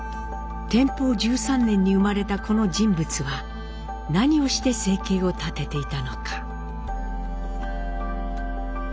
天保１３年に生まれたこの人物は何をして生計を立てていたのか。